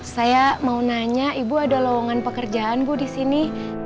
saya mau nanya ibu ada lowongan pekerjaan bu disini